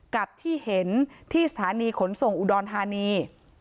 กับที่เห็นที่สถานีขนส่งอุดรธานี